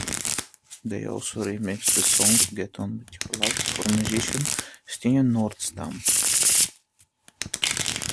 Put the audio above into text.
They also remixed the song "Get On With Your Life" for musician Stina Nordenstam.